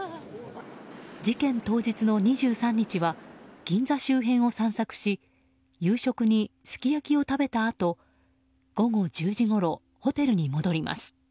事件当日の２３日は銀座周辺を散策し夕食にすき焼きを食べたあと午後１０時ごろホテルに戻ります。